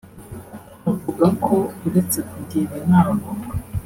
Avuga ko uretse kugira inama